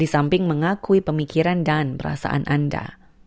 disamping mengakui pemikiran dan perasaan anda